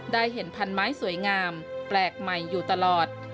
ได้เห็นพันไม้สวยงามแปลกใหม่อยู่ตลอด